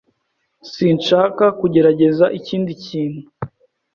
Sinshaka kugerageza ikindi kintu.